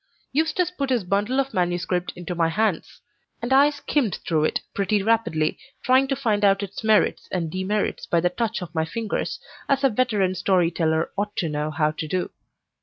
Eustace put his bundle of manuscript into my hands; and I skimmed through it pretty rapidly, trying to find out its merits and demerits by the touch of my fingers, as a veteran story teller ought to know how to do.